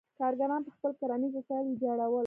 کارګران به خپل کرنیز وسایل ویجاړول.